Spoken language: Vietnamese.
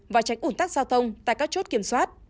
và tránh ủn tắc giao thông tại các chốt kiểm soát